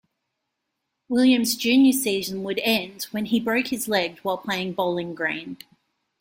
Williams' junior season would end when he broke his leg while playing Bowling Green.